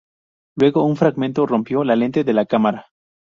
Luego, un fragmento rompió la lente de la cámara.